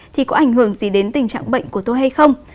thì có ảnh hưởng gì đến tình trạng bệnh của tôi hay không